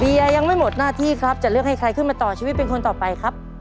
ยังไม่หมดหน้าที่ครับจะเลือกให้ใครขึ้นมาต่อชีวิตเป็นคนต่อไปครับ